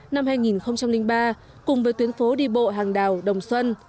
năm hai nghìn ba cùng với tuyến phố đi bộ hàng đào đồng xuân